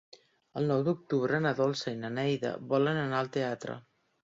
El nou d'octubre na Dolça i na Neida volen anar al teatre.